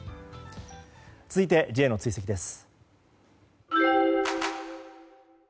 続いてＪの追跡です。